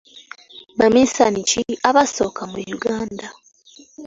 Baminsani ki abasooka mu Uganda?